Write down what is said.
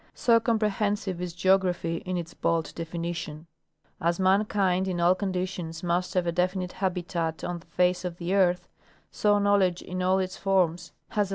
So comprehensive is geography in its bald definition. As mankind in all conditions must have a definite habitat on the face of the earth, so knoAvledge in all its forms has a local 15— Nat.